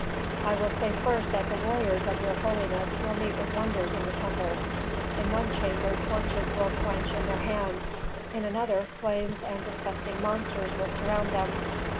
"I will say first that the warriors of your holiness will meet with wonders in the temples. In one chamber torches will quench in their hands, in another, flames and disgusting monsters will surround them.